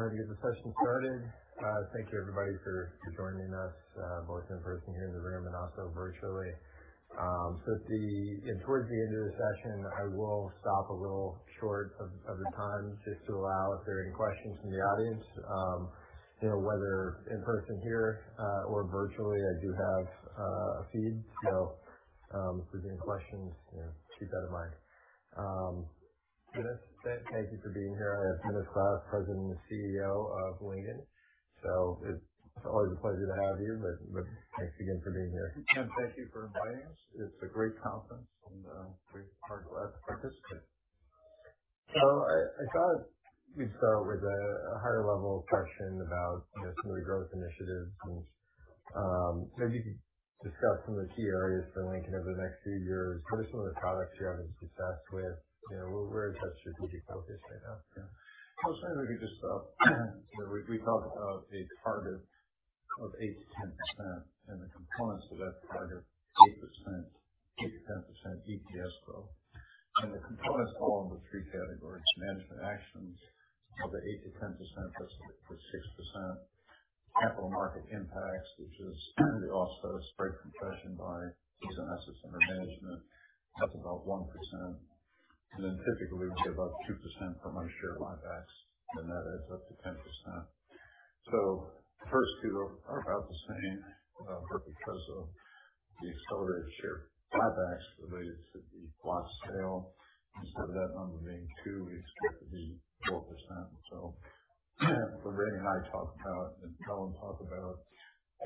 All right. We'll go ahead and get the session started. Thank you, everybody, for joining us, both in person here in the room and also virtually. Towards the end of the session, I will stop a little short of the time just to allow if there are any questions from the audience, whether in person here or virtually, I do have a feed. If there's any questions, keep that in mind. Dennis, thank you for being here. I have Dennis Glass, President and Chief Executive Officer of Lincoln. It's always a pleasure to have you, but thanks again for being here. Jim, thank you for inviting us. It's a great conference. We're glad to participate. I thought we'd start with a higher level question about some of the growth initiatives. Maybe you could discuss some of the key areas for Lincoln over the next few years. What are some of the products you're having success with? Where should we be focused right now? Well, certainly we thought of a target of 8%-10%, EPS growth. The components fall into three categories. Management actions of the 8%-10% +6%. Capital market impacts, which is really also spread compression by fees on assets under management, that's about 1%. Typically, we get about 2% from our share buybacks. That adds up to 10%. The first two are about the same. Because of the accelerated share buybacks related to the Resolution Life, instead of that number being two, we expect it to be 4%. When Ray and I talk about, Colin talk about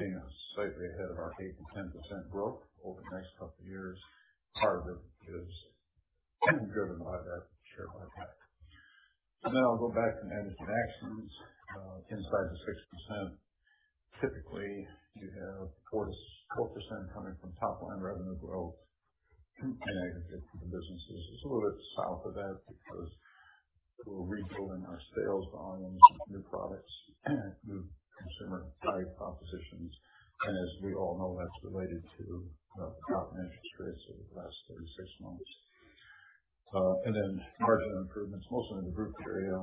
being slightly ahead of our 8%-10% growth over the next couple of years, part of it is driven by that share buyback. Now I'll go back to management actions inside the 6%. Typically, you have 4% coming from top-line revenue growth in aggregate for the businesses. It's a little bit south of that because we're rebuilding our sales volumes with new products, new consumer value propositions. As we all know, that's related to the drop in interest rates over the last 36 months. Margin improvements, mostly in the group area,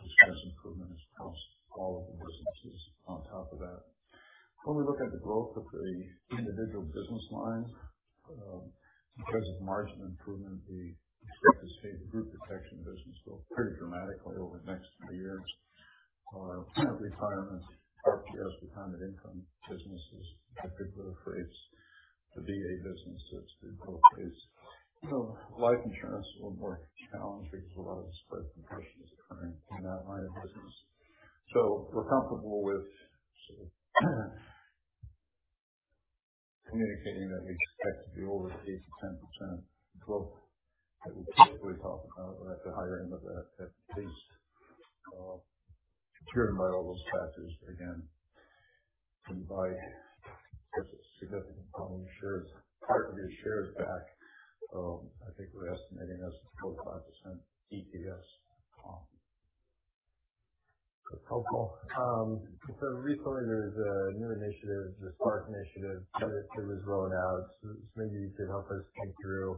just general improvement across all of the businesses on top of that. When we look at the growth of the individual business lines, in terms of margin improvement, we expect to see the group protection business grow pretty dramatically over the next three years. Retirements, our shares, retirement income businesses, if I could put a phrase, the VA business that's been in both cases. Life insurance a little more challenged because a lot of the spread compression is occurring in that line of business. We're comfortable with sort of communicating that we expect to be over the 8%-10% growth that we typically talk about or at the higher end of that at least, driven by all those factors, again. By such a significant program, part of it is shares back. I think we're estimating that's a 4%-5% DPS. Recently, there's a new initiative, the Spark Initiative, that was rolling out. Maybe you could help us think through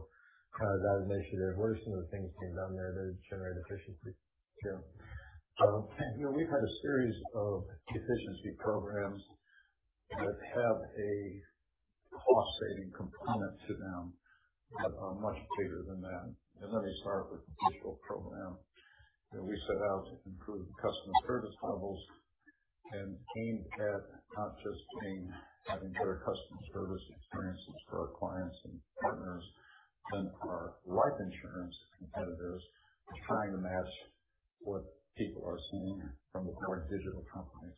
that initiative. What are some of the things being done there that generate efficiency? Sure. We've had a series of efficiency programs that have a cost-saving component to them but are much bigger than that. Let me start with the digital program that we set out to improve customer service levels and aimed at not just having better customer service experiences for our clients and partners than for our life insurance competitors, but trying to match what people are seeing from the more digital companies.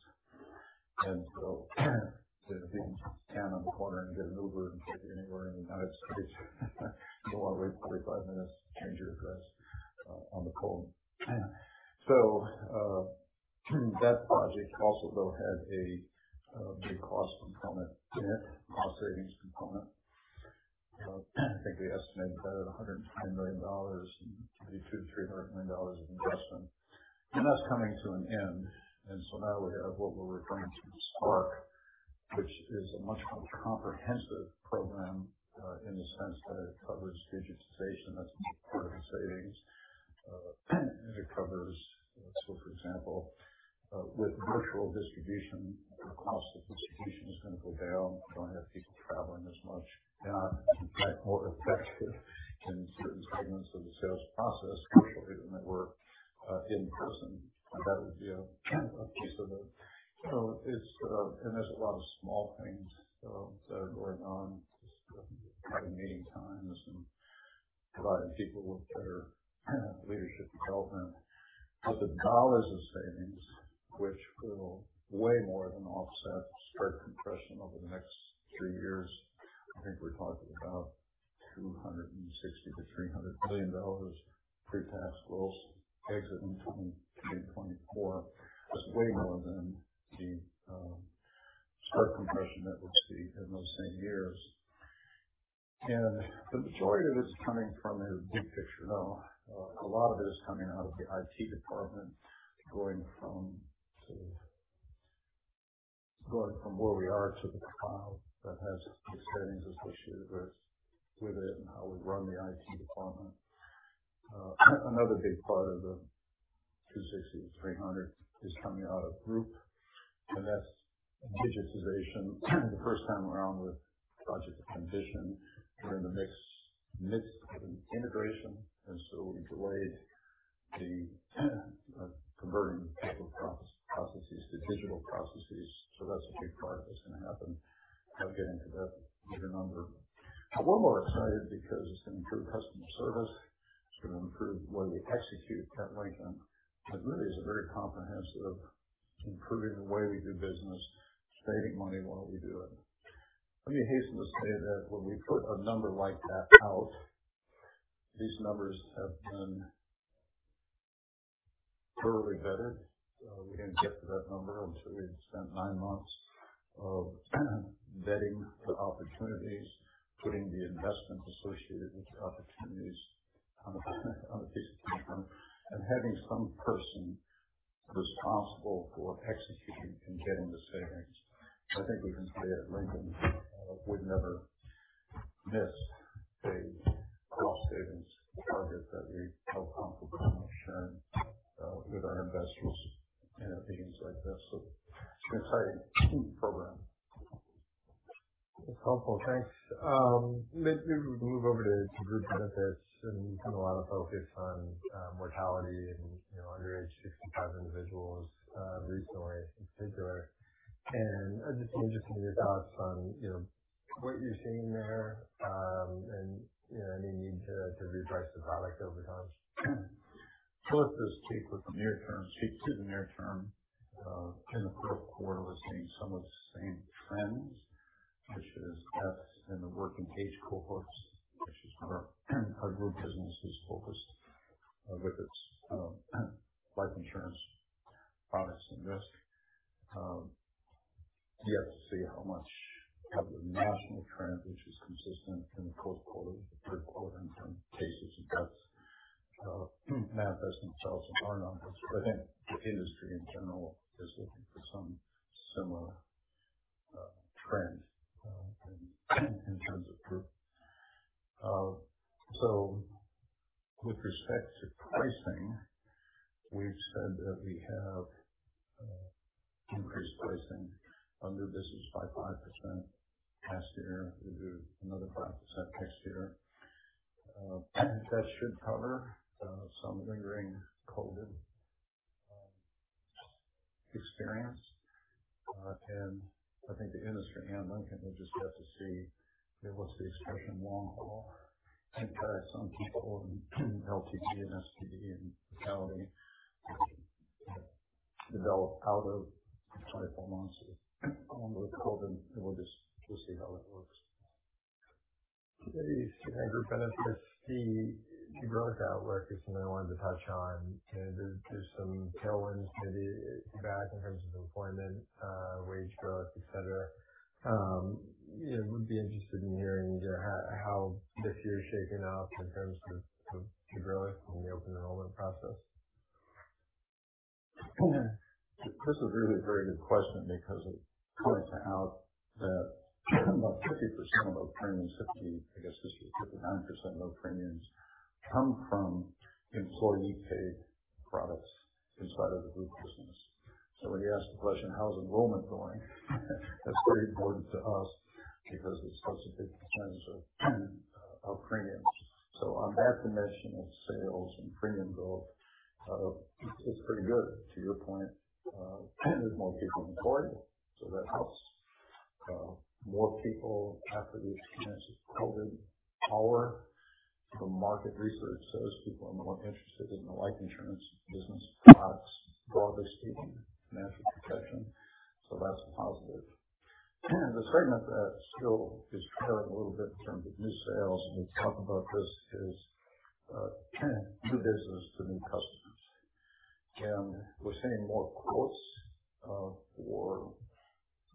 They can stand on the corner and get an Uber and take it anywhere in the U.S. or wait 45 minutes to change your address on the phone. That project also, though, had a big cost component in it, cost savings component. I think we estimated that at $110 million, maybe $200 million-$300 million of investment. That's coming to an end. Now we have what we're referring to as SPARK, which is a much more comprehensive program in the sense that it covers digitization as part of the savings. It covers, for example, with virtual distribution, the cost of distribution is going to go down. We don't have people traveling as much. They are, in fact, more effective in certain segments of the sales process virtually than they were in person. That would be a piece of it. There's a lot of small things that are going on, cutting meeting times and providing people with better leadership development. The dollars of savings, which will way more than offset spread compression over the next three years, I think we're talking about $260 million-$300 million pre-tax gross exit in 2024. That's way more than the spread compression that we'll see in those same years. The majority of this is coming from the big picture, though. A lot of it is coming out of the IT department, going from sort of going from where we are to the cloud that has the savings associated with it and how we run the IT department. Another big part of the $260 million-$300 million is coming out of Group, and that's digitization. The first time around with Project Transition, we're in the midst of an integration, so we delayed the converting paper processes to digital processes. That's a big part that's going to happen. I'll get into that bigger number. We're more excited because it's going to improve customer service. It's going to improve the way we execute at Lincoln. It really is very comprehensive, improving the way we do business, saving money while we do it. Let me hasten to say that when we put a number like that out, these numbers have been thoroughly vetted. We didn't get to that number until we had spent nine months of vetting the opportunities, putting the investments associated with the opportunities on the piece of paper, and having some person responsible for executing and getting the savings. I think we can say at Lincoln, we'd never miss a cost savings target that we feel comfortable sharing with our investors in a meeting like this. It's an exciting program. That's helpful. Thanks. Maybe we can move over to group benefits, a lot of focus on mortality and under age 65 individuals recently in particular. I'm just interested in your thoughts on what you're seeing there, any need to reprice the product over time. Well, it does take the near term. In the fourth quarter, we're seeing some of the same trends, which is deaths in the working age cohorts, which is where our group business is focused with its life insurance products and risk. You have to see how much of a national trend, which is consistent in the fourth quarter, the third quarter in terms of cases and deaths manifest themselves in our numbers. The industry in general is looking for some similar trend in terms of group. With respect to pricing, we've said that we have increased pricing on new business by 5% last year. We'll do another 5% next year. That should cover some lingering COVID experience. I think the industry and Lincoln will just have to see what's the expression long haul in terms of some people in LTD and STD and fatality that developed out of the 24 months along with COVID. We'll just see how that works. Maybe group benefits, the growth outlook is another one to touch on. There's some tailwinds, maybe back in terms of employment, wage growth, et cetera. Would be interested in hearing how this year's shaping up in terms of the growth in the open enrollment process. This is really a very good question because it points out that about 50% of our premiums, 50, I guess this year, 59% of our premiums come from employee paid products inside of the group business. When you ask the question, how's enrollment going, that's very important to us because it's such a big percentage of premiums. On that dimension of sales and premium growth, it's pretty good. To your point, there's more people employed, that helps. More people after the experience of COVID, our market research says people are more interested in the life insurance business products, broadly speaking, financial protection. That's a positive. The segment that still is trailing a little bit in terms of new sales, and we've talked about this, is new business to new customers. We're seeing more quotes for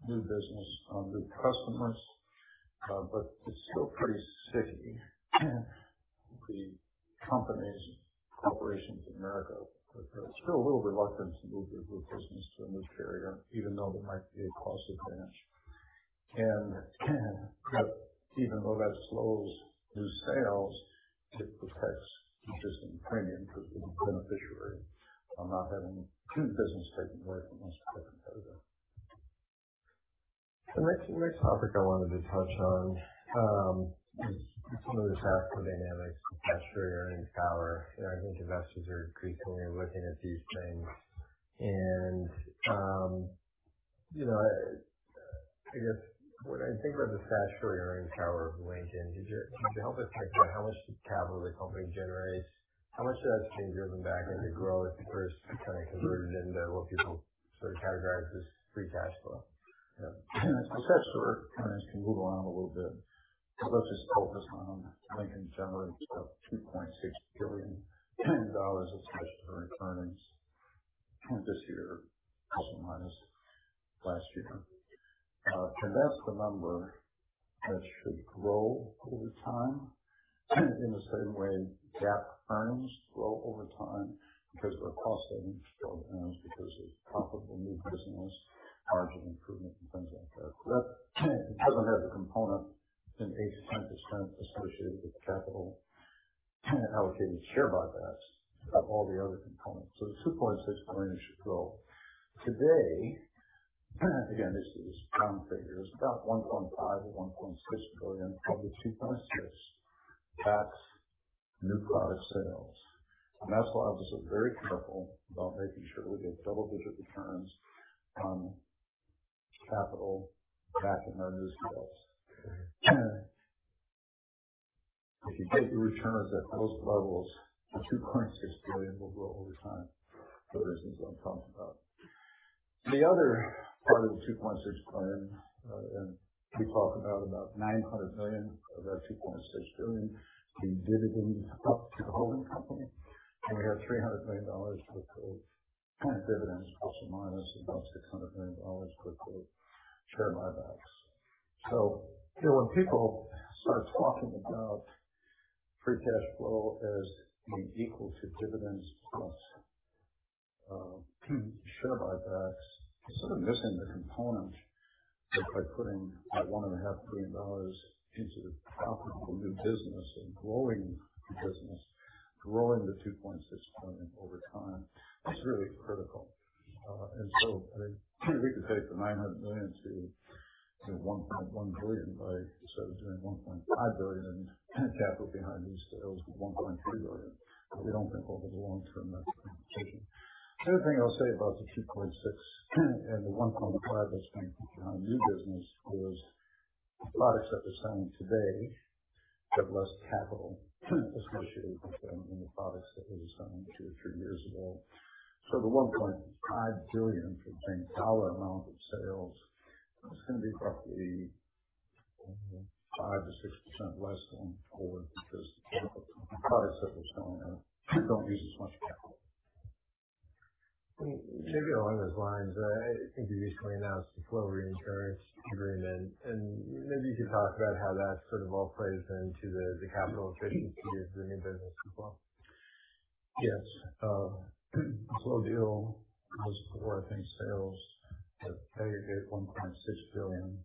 new business on new customers, it's still pretty sticky. The companies and corporations in America are still a little reluctant to move their group protection to a new carrier, even though there might be a cost advantage. Even though that slows new sales, it protects existing premium for the beneficiary on not having new business taken away from us by competitors. The next topic I wanted to touch on is some of the statutory dynamics, statutory earnings power. I think investors are increasingly looking at these things. When I think about the statutory earnings power of Lincoln, could you help us think about how much capital the company generates? How much of that is being driven back into growth versus converted into what people categorize as free cash flow? Statutory earnings can move around a little bit. Let's just focus on Lincoln generates about $2.6 billion of statutory earnings this year, plus or minus last year. That's the number that should grow over time in the same way GAAP earnings grow over time because of our cost savings, growth earnings, because of profitable new business, margin improvement, and things like that. It doesn't have the component, an 80/20 split associated with the capital allocated to share buybacks of all the other components. The $2.6 billion should grow. Today, again, this is round figures, about $1.5 billion-$1.6 billion of the $2.6 billion, that's new product sales. That's why I was very careful about making sure that we get double-digit returns on capital back in our new sales. If you take the returns at those levels, the $2.6 billion will grow over time, for instance, what I'm talking about. The other part of the $2.6 billion, we talk about $900 million of that $2.6 billion in dividends up to the holding company. We had $300 million worth of dividends, plus or minus about $600 million worth of share buybacks. When people start talking about free cash flow as being equal to dividends plus share buybacks, they're sort of missing the component that by putting that $1.5 billion into the profitable new business and growing the business, growing the $2.6 billion over time is really critical. We could take the $900 million-$1.1 billion by instead of doing $1.5 billion in capital behind new sales of $1.3 billion. We don't think, over the long term, that's a good decision. The other thing I'll say about the $2.6 billion and the $1.5 billion spent behind new business is products that we're selling today have less capital associated with them than the products that we were selling two or three years ago. The $1.5 billion for the same dollar amount of sales is going to be roughly 5%-6% less than forward because the products that we're selling now don't use as much capital. Maybe along those lines, I think you recently announced a flow reinsurance agreement. Maybe you could talk about how that all plays into the capital efficiency of the new business as well? Yes. The deal was worth in sales an aggregate of $1.6 billion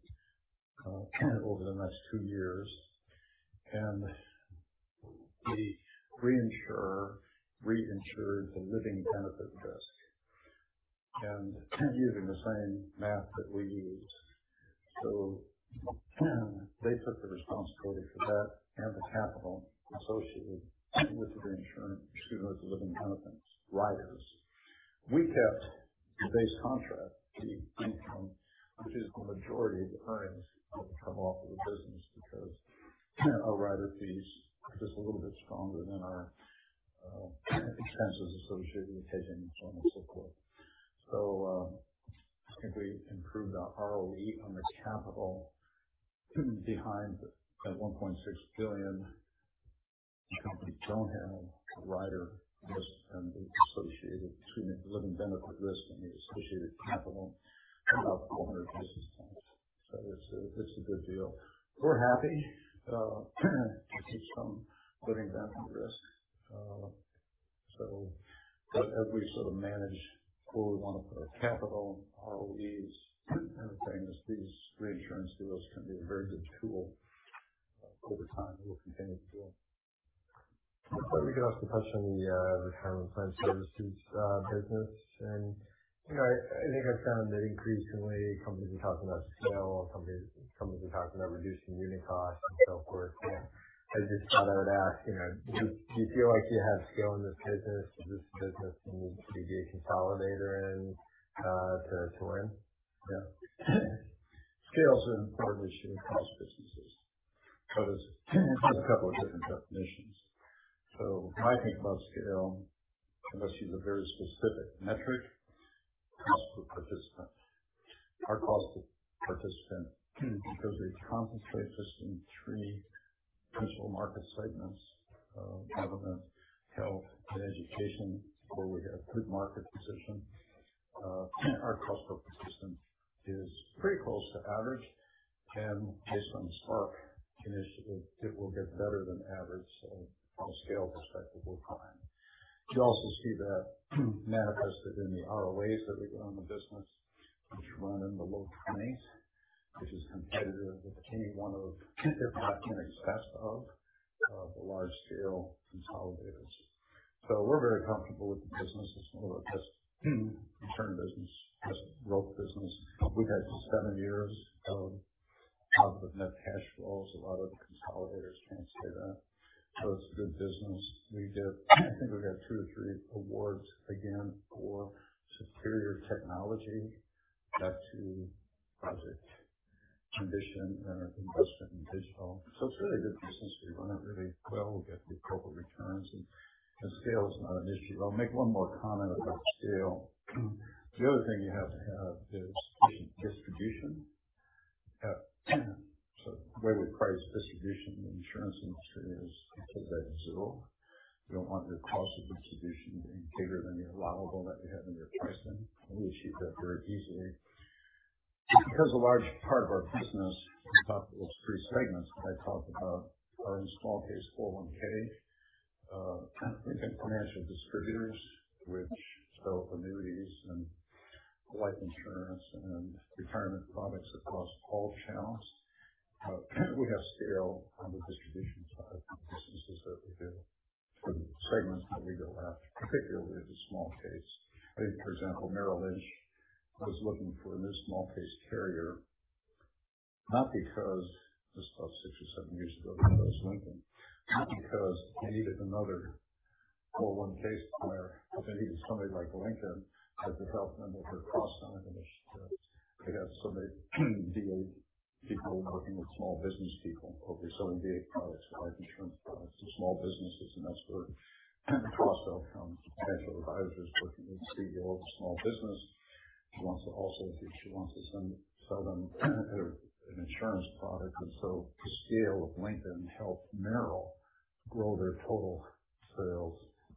over the next two years. The reinsurer reinsured the living benefit risk, and using the same math that we used. They took the responsibility for that and the capital associated with the reinsurance, excuse me, with the living benefits riders. We kept the base contract, the income, which is the majority of the earnings that will come off of the business because our rider fees are just a little bit stronger than our expenses associated with claims and so on and so forth. I think we improved our ROE on the capital behind that $1.6 billion. Companies don't have a rider risk and the associated living benefit risk and the associated capital of 400 basis points. It's a good deal. We're happy to see some living benefit risk. As we manage where we want to put our capital, ROEs, everything, these reinsurance deals can be a very good tool. Over time, we'll continue to do them. I thought we could also touch on the Retirement Plan Services business. I think I found that increasingly companies are talking about scale, companies are talking about reducing unit costs and so forth. I just thought I would ask, do you feel like you have scale in this business? Is this a business you need to be a consolidator in to win? Yeah. Scale is an important issue in most businesses. There's a couple of different definitions. When I think about scale, unless you have a very specific metric, cost per participant. Our cost per participant, because we concentrate just in three principal market segments, government, health, and education, where we have good market position. Our cost per participant is pretty close to average, and based on the Spark Initiative, it will get better than average. From a scale perspective, we're fine. You also see that manifested in the ROAs that we run the business, which run in the low 20s, which is competitive with any one of, if not in excess of, the large-scale consolidators. We're very comfortable with the business. It's more of a return business, just growth business. We've had seven years of positive net cash flows. A lot of the consolidators can't say that. It's a good business. I think we got two or three awards again for superior technology. That too, Project Transition and our investment in digital. It's a really good business. We run it really well. We get the appropriate returns, and scale is not an issue. I'll make one more comment about scale.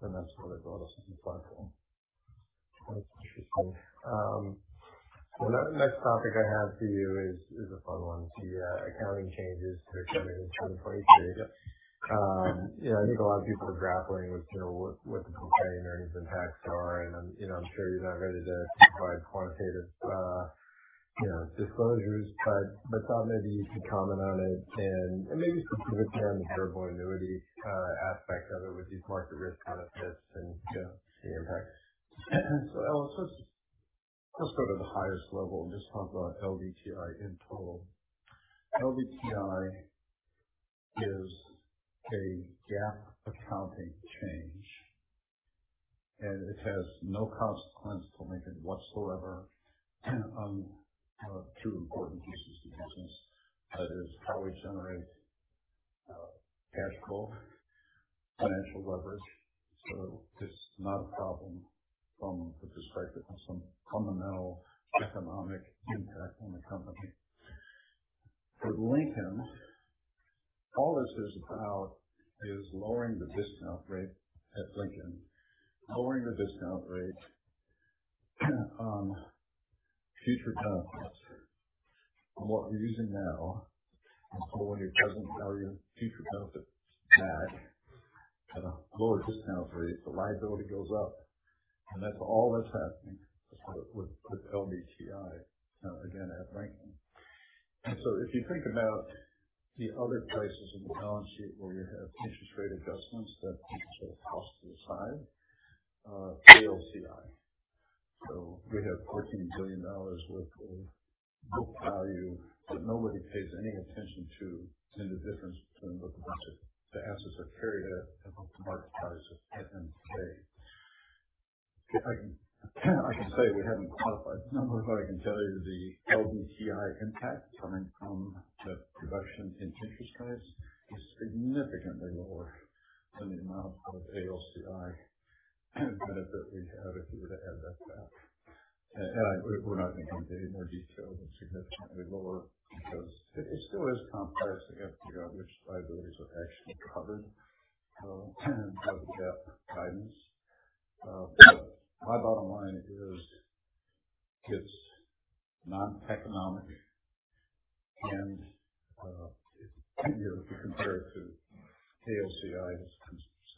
that's what it brought us to the platform. That's interesting. The next topic I have for you is a fun one too. Accounting changes for 2023. I think a lot of people are grappling with what the comparing earnings impacts are, and I'm sure you're not ready to provide quantitative disclosures, but thought maybe you could comment on it and maybe specifically on the variable annuity aspect of it with these market risk benefits and the impacts. Alex, let's go to the highest level and just talk about LDTI in total. LDTI is a GAAP accounting change, and it has no consequence to Lincoln whatsoever on 2 important pieces of the business. That is how we generate cash flow, financial leverage. It's not a problem from the perspective of some fundamental economic impact on the company. For Lincoln, all this is about is lowering the discount rate at Lincoln. Lowering the discount rate on future benefits. From what we're using now is lowering your present value, future benefit match at a lower discount rate. The liability goes up, and that's all that's happening with LDTI, again, at Lincoln. If you think about the other places in the balance sheet where you have interest rate adjustments that move to the cost to the side, AOCI. We have $14 billion worth of book value that nobody pays any attention to in the difference between book value to assets that carry it at book to market prices at end of day. I can say we haven't qualified the numbers, but I can tell you the LDTI impact coming from the reduction in interest rates is significantly lower than the amount of AOCI benefit we'd have if we were to add that back. We're not going to go into any more detail other than significantly lower because it still is complex to have to figure out which liabilities are actually covered under the GAAP guidance. My bottom line is it's non-economic and if you compare it to AOCI, it's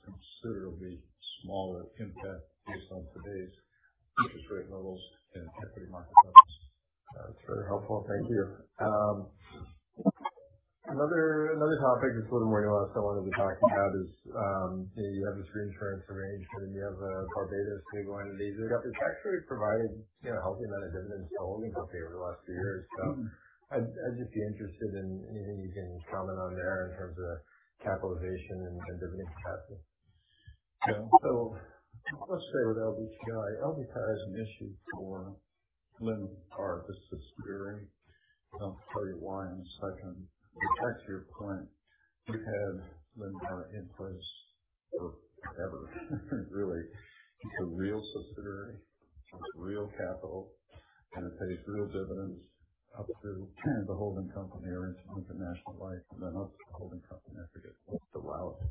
considerably smaller impact based on today's interest rate levels and equity market levels. That's very helpful. Thank you. Another topic that's a little more nuanced I wanted to talk about is, you have this reinsurance arrangement, and you have Barbados going into ADSR. It's actually provided healthy amount of dividends to the holding company over the last few years. I'd just be interested in anything you can comment on there in terms of capitalization and dividend capacity. Let's stay with LDTI. LDTI is an issue for LIMRA. This is scary. I'll tell you why in a second. Back to your point, we've had LIMRA in place forever, really. It's a real subsidiary. It's real capital, and it pays real dividends up to the holding company, or it's The Lincoln National Life Insurance Company, and then up to the holding company. I forget what the route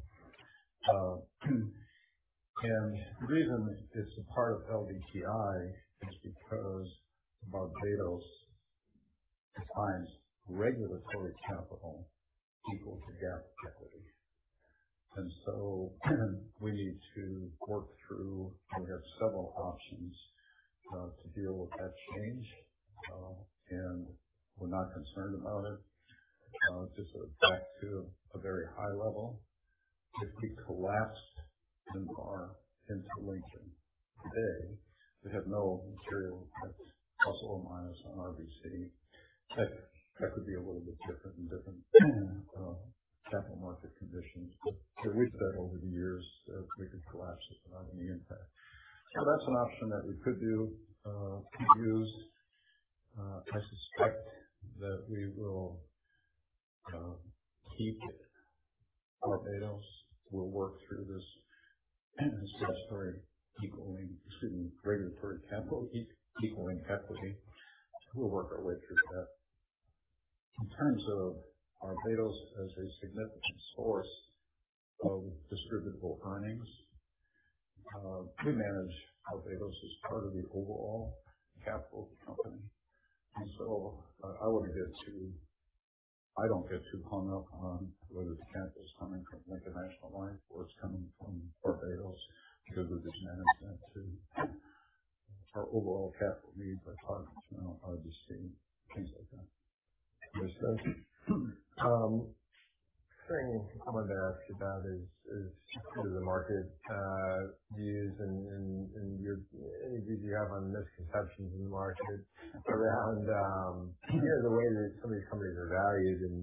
is. The reason it's a part of LDTI is because Barbados defines regulatory capital equal to GAAP equity. We need to work through, we have several options, to deal with that change. We're not concerned about it. It's just back to a very high level. If we collapsed LIMRA into Lincoln today, we have no material plus or minus on RBC. That could be a little bit different in different capital market conditions. We've said over the years that we could collapse it without any impact. That's an option that we could use. I suspect that we will keep Barbados. We'll work through this statutory equaling, excuse me, regulatory capital equaling equity. We'll work our way through that. In terms of Barbados as a significant source of distributable earnings, we manage Barbados as part of the overall capital of the company. I don't get too hung up on whether the capital's coming from The Lincoln National Life Insurance Company or it's coming from Barbados because of this management to our overall capital needs. I don't foresee things like that. Understood. Something I wanted to ask about is, through the market views and any views you have on misconceptions in the market around the way that some of these companies are valued, and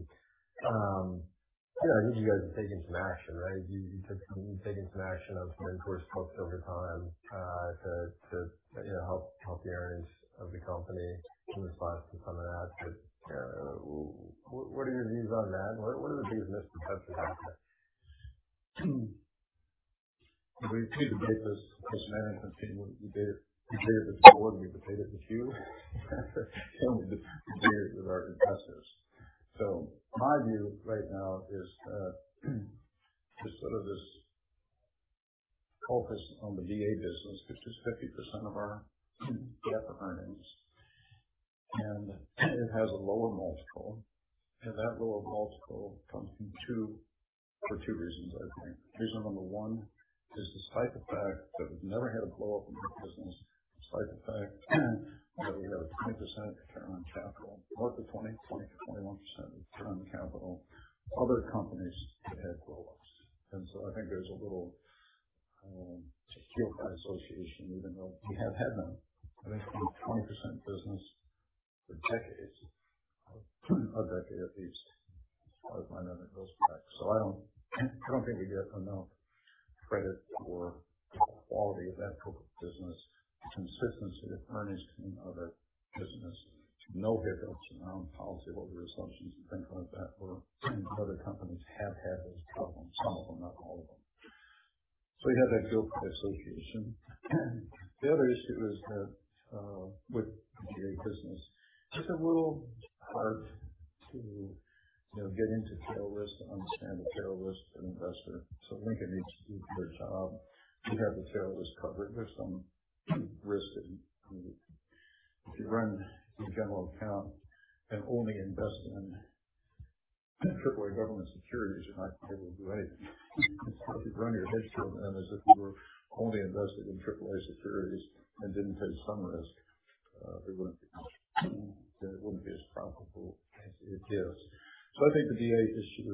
I know you guys have taken some action, right? You've taken some action on certain course folks over time to help the earnings of the company in response to some of that. What are your views on that? What are the biggest misconceptions out there? We debate this management team. We debate it with the board. We debate it with you. We debate it with our investors. My view right now is sort of this focus on the VA business, which is 50% of our GAAP earnings, and it has a lower multiple. That lower multiple comes from 2 reasons, I think. Reason number 1 is despite the fact that we've never had a blow-up in that business, despite the fact that we have a 20% return on capital. North of 20%-21% return on capital. Other companies have had blow-ups. I think there's a little guilt by association, even though we have had none. I think it's been a 20% business for decades. A decade at least, as far as my memory goes back. I don't think we get enough credit for the quality of that book of business, the consistency of earnings from that business, no hiccups around policyholder assumptions and things like that, where other companies have had those problems. Some of them, not all of them. You have that guilt by association. The other issue is that with the VA business, it's a little hard to get into tail risk and understand the tail risk as an investor. Lincoln needs to do a good job to have the tail risk covered. There's some risk that if you run the general account and only invest in AAA government securities, you're not going to be able to do anything. If you run your ALM as if you were only invested in AAA securities and didn't take some risk, then it wouldn't be as profitable as it is. I think the VA issue,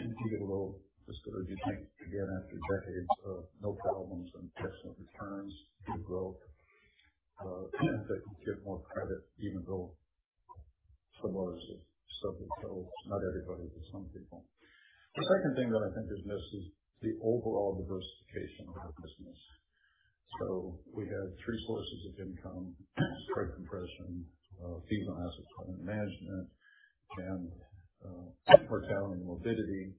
you get a little discounted, I think, again, after decades of no problems and excellent returns and growth, that you get more credit even though some of this is stuff that troubles not everybody, but some people. The second thing that I think is missed is the overall diversification of our business. We have three sources of income, spread compression, fees on assets under management, and mortality and morbidity.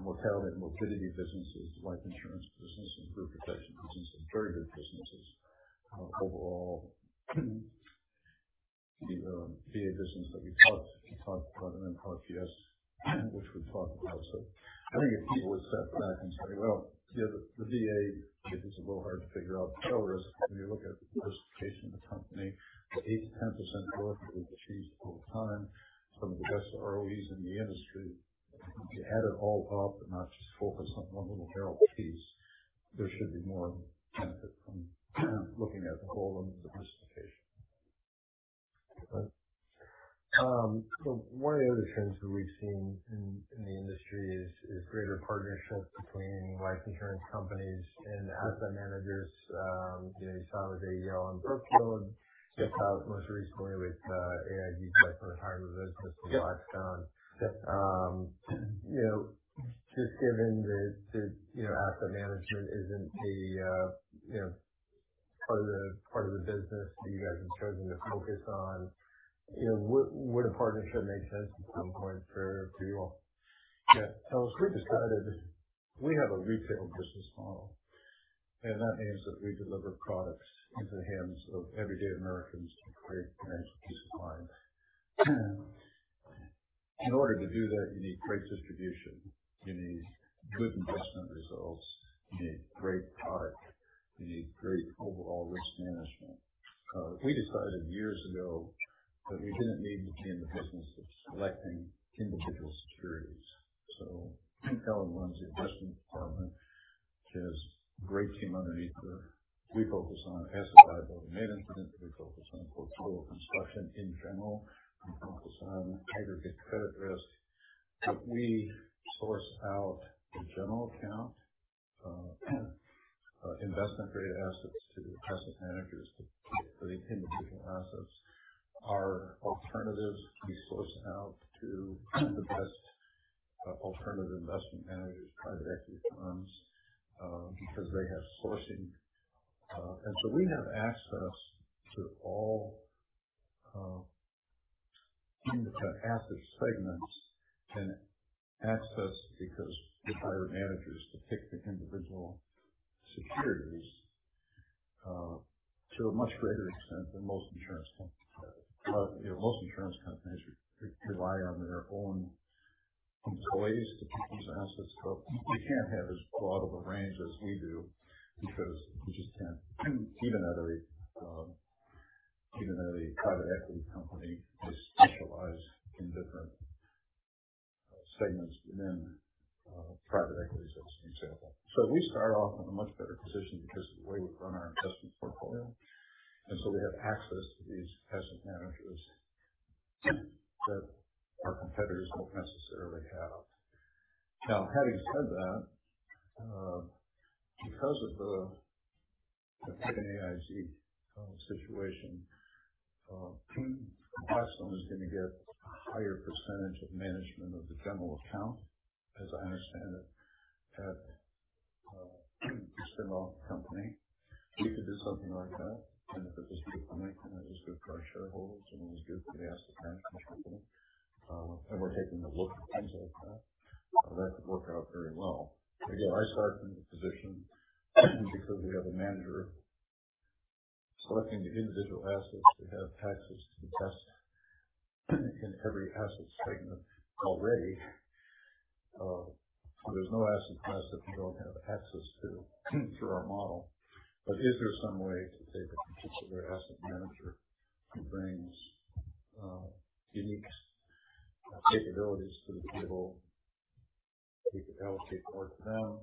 Mortality and morbidity business is the life insurance business and group protection business. They're very good businesses overall. The VA business that we talked about and then RPS, which we've talked about. I think if people would step back and say, well, yeah, the VA business is a little hard to figure out the tail risk. When you look at the diversification of the company, the 8%-10% growth that we've achieved over time, some of the best ROEs in the industry. If you add it all up and not just focus on one little barrel piece, there should be more benefit from looking at the whole diversification. One of the other trends that we've seen in the industry is greater partnerships between life insurance companies and asset managers. You saw with AIG and Brookfield, you saw it most recently with AIG selling the retirement business to Blackstone. Yes. Just given that asset management isn't part of the business that you guys have chosen to focus on, would a partnership make sense at some point for you all? Yeah. We decided we have a retail business model, that means that we deliver products into the hands of everyday Americans to create financial peace of mind. In order to do that, you need great distribution. You need good investment results. You need great product. You need great overall risk management. We decided years ago that we didn't need to be in the business of selecting individual securities. Ellen runs the investment department. She has a great team underneath her. We focus on asset liability management. We focus on total construction in general. We focus on aggregate credit risk. We source out the general account investment-grade assets to asset managers to pick the individual assets. Our alternatives we source out to the best alternative investment managers, private equity firms, because they have sourcing. We have access to all kinds of asset segments and access because we hire managers to pick the individual securities to a much greater extent than most insurance companies. Most insurance companies rely on their own employees to produce assets, they can't have as broad of a range as we do because you just can't. Even at a private equity company, they specialize in different segments within private equity, as an example. We start off in a much better position because of the way we run our investment portfolio, we have access to these asset managers that our competitors don't necessarily have. Now, having said that, because of the AIG situation, T. Rowe Price is going to get a higher percentage of management of the general account, as I understand it, at the spinoff company. We could do something like that, if it was good for Lincoln, it was good for our shareholders, it was good for the asset management company, we're taking a look at things like that could work out very well. Again, I start from the position because we have a manager selecting the individual assets to have access to the best in every asset segment already. There's no asset class that we don't have access to through our model. Is there some way to take a particular asset manager who brings unique capabilities to the table, we could allocate more to them.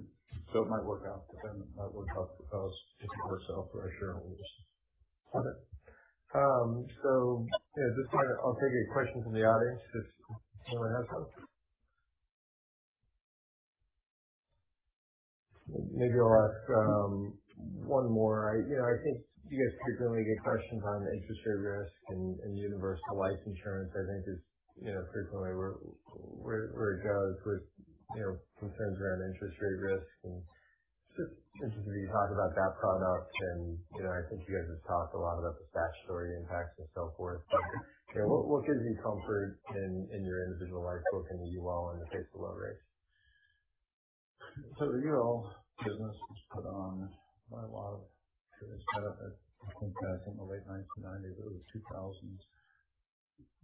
It might work out for them. It might work out for us. It could work out for our shareholders. Okay. At this point, I'll take any questions in the audience if anyone has any. Maybe I'll ask one more. I think you guys frequently get questions on interest rate risk and universal life insurance, I think is frequently where it goes with concerns around interest rate risk. Just interested for you to talk about that product and I think you guys have talked a lot about the statutory impacts and so forth. What gives you comfort in your individual life booking the UL in the face of low rates? The UL business was put on by a lot of insurance companies. I think back in the late 1990s, early 2000s,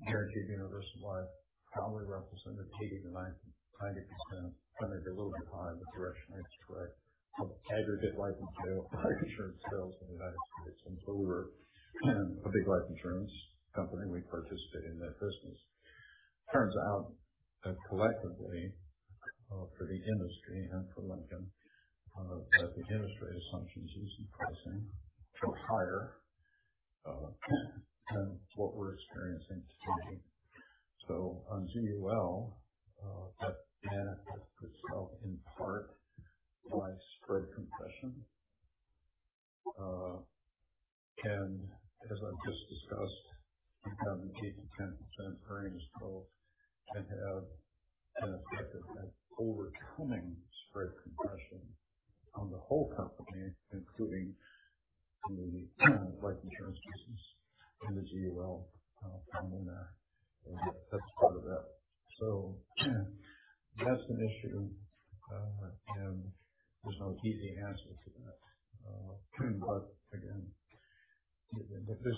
guaranteed universal life probably represented 80%-90%, probably a little bit high, but the direction is correct, of aggregate life insurance sales in the U.S. We were a big life insurance company. We participate in that business. Turns out that collectively, for the industry and for Lincoln,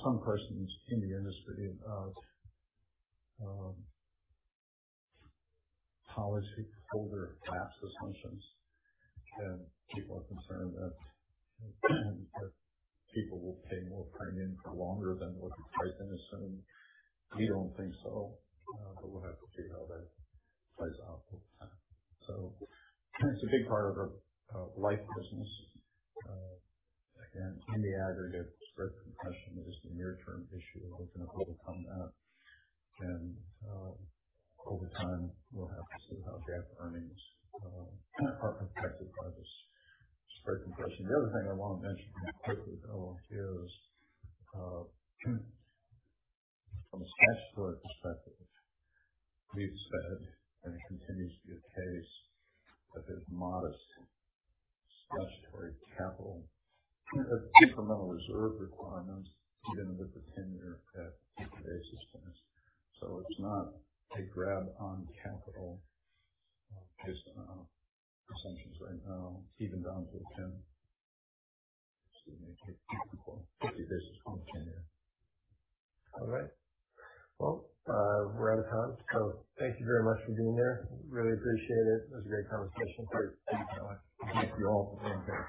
some questions in the industry about how older tax assumptions. People are concerned that people will pay more premium for longer than what the pricing is assuming. We don't think so, but we'll have to see how that plays out over time. It's a big part of our life business. Again, in the aggregate spread compression is the near-term issue, and we're going to overcome that. Over time, we'll have to see how GAAP earnings are affected by this spread compression. The other thing I want to mention quickly, though, is from a statutory perspective, we've said, and it continues to be the case, that there's modest statutory capital incremental reserve requirements even with the 10-year GAAP basis test. It's not a drag on capital based on assumptions right now, even down to a 10. Excuse me, a basis of a 10-year. All right. Well, we're out of time. Thank you very much for being here. Really appreciate it. It was a great conversation. Great. Thank you. Thank you all for coming here.